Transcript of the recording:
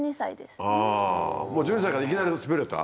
あぁもう１２歳からいきなり滑れた？